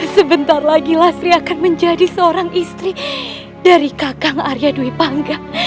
sebentar lagi lasri akan menjadi seorang istri dari kakang arya dwi panggang